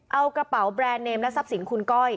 เอากระเป๋าแบรนด์เนมและทรัพย์สินคุณก้อย